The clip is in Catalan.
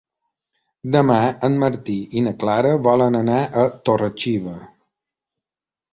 Demà en Martí i na Clara volen anar a Torre-xiva.